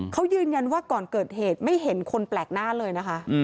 เขายืนยันว่าก่อนเกิดเหตุไม่เห็นคนแปลกหน้าเลยนะคะ